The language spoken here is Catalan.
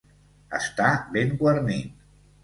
Estar ben guarnit.